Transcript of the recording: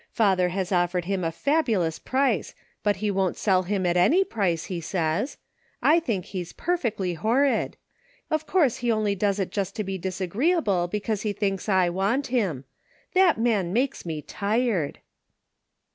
Father has offered him a fabulous price, but he won't sell him at any price, he says. I think he's perfectly horrid. Of course he only does it just to be disagreeable because he thinks I want him. That man makes me tired